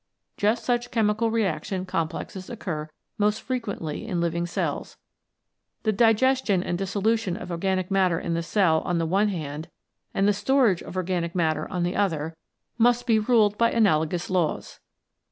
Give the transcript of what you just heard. Just such chemical reaction complexes occur most frequently in living cells. The digestion and dissolution of organic matter in the cell on the one hand, and the storage of organic matter on the other, must be ruled by analogous G 81 CHEMICAL PHENOMENA IN LIFE laws.